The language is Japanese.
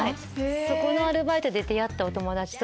そこのアルバイトで出会ったお友達と。